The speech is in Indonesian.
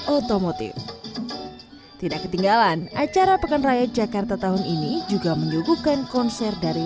otomotif tidak ketinggalan acara pekan raya jakarta tahun ini juga menyuguhkan konser dari